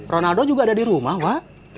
ronaldo juga ada di rumah pak